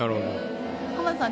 浜田さん